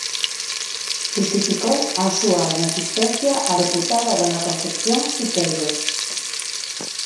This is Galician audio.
Xustificou a súa inasistencia a deputada dona Concepción Siqueiros.